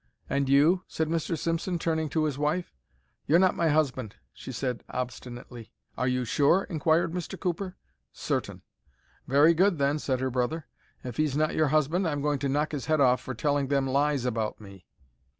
"And you?" said Mr. Simpson, turning to his wife. "You're not my husband," she said, obstinately. "Are you sure?" inquired Mr. Cooper. "Certain." "Very good, then," said her brother. "If he's not your husband I'm going to knock his head off for telling them lies about me."